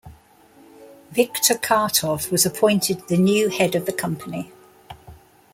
Viktor Khartov was appointed the new head of the company.